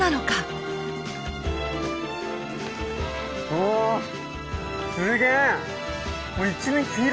おおすげえ！